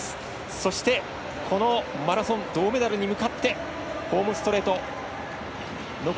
そして、マラソン銅メダルに向かってホームストレート。